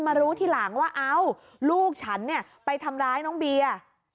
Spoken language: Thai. รู้ทีหลังว่าเอ้าลูกฉันเนี่ยไปทำร้ายน้องเบียร์